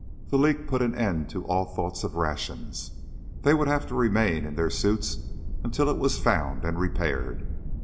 The leak put an end to all thoughts of rations. They would have to remain in their suits until it was found and repaired.